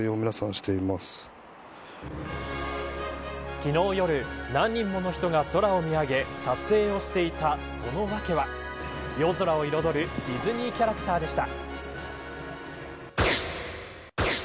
昨日夜何人もの人が空を見上げ撮影をしていたその訳は夜空を彩るディズニーキャラクターでした。